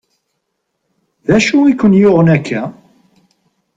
D acu i ken-yuɣen akka?